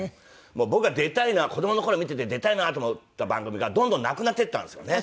僕が出たいな子供の頃見てて出たいなと思った番組がどんどんなくなっていったんですよね。